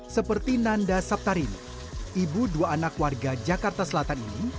seperti nanda saptarini ibu dua anak warga jakarta selatan ini